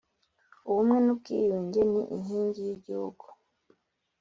ubumwe n ubwiyunge ni inkingi y’ igihugu